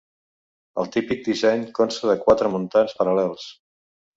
El típic disseny consta de quatre muntants paral·lels.